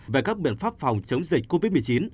về các biện pháp phòng chống dịch covid một mươi chín